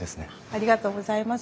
ありがとうございます。